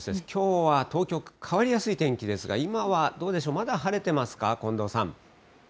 きょうは東京、変わりやすい天気ですが、今はどうでしょう、まだ晴れてますか？